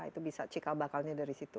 itu bisa cikal bakalnya dari situ